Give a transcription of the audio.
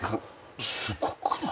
すごくない？